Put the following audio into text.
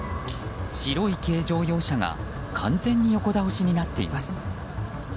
白い軽乗用車が完全に横倒しになっています。